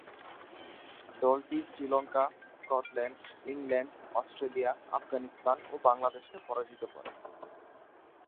দলটি Sri Lanka, Scotland, England, Australia, Afghanistan ও বাংলাদেশকে পরাজিত করে।